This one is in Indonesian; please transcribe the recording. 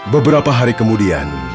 beberapa hari kemudian